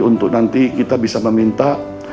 untuk nanti kita bisa meminta